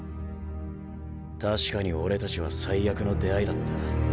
確かに俺たちは最悪の出会いだった。